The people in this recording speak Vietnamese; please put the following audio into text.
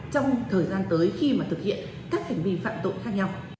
trong thời gian tới khi mà thực hiện các hành vi phạm tội khác nhau